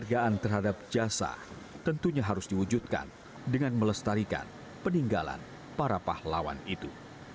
dan terhadap jasa tentunya harus diwujudkan dengan melestarikan peninggalan para pahlawan itu